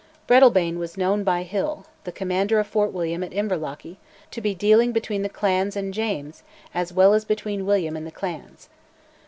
Breadalbane was known by Hill, the commander of Fort William at Inverlochy, to be dealing between the clans and James, as well as between William and the clans.